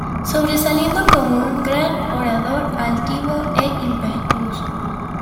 Sobresaliendo como un gran orador altivo e impetuoso.